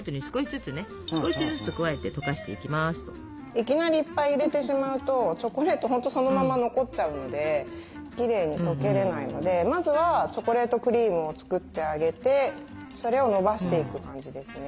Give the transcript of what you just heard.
いきなりいっぱい入れてしまうとチョコレート本当そのまま残っちゃうのできれいにとけれないのでまずはチョコレートクリームを作ってあげてそれをのばしていく感じですね。